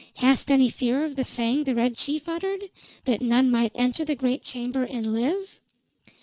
Hast any fear of the saying the Red Chief uttered? That none might enter the great chamber and live?"